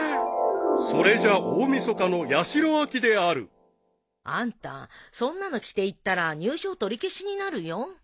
［それじゃ大晦日の八代亜紀である］あんたそんなの着ていったら入賞取り消しになるよ。